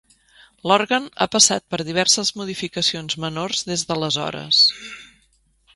L'òrgan ha passat per diverses modificacions menors des d'aleshores.